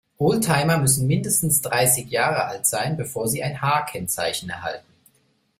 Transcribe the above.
Oldtimer müssen mindestens dreißig Jahre alt sein, bevor sie ein H-Kennzeichen erhalten.